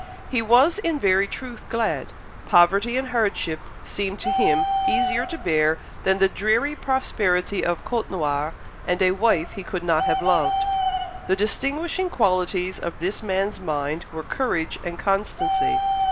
He was in very truth glad. Poverty and hardship seemed to him easier to bear than the dreary prosperity of Côtenoir and a wife he could not have loved. The distinguishing qualities of this man's mind were courage and constancy.